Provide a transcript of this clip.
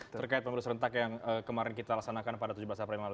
terkait pemilu serentak yang kemarin kita laksanakan pada tujuh belas april yang lalu